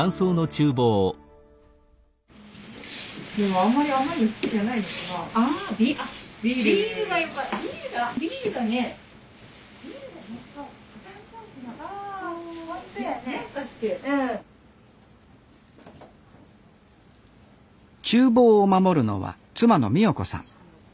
ちゅう房を守るのは妻の美代子さん。